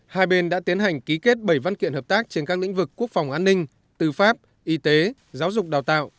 hai bên đã tiến hành ký kết bảy văn kiện hợp tác trên các lĩnh vực quốc phòng an ninh tư pháp y tế giáo dục đào tạo